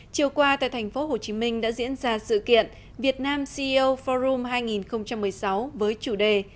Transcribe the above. chiều qua tại tp hcm đã diễn ra sự kiện việt nam ceo forum hai nghìn một mươi sáu với chủ đề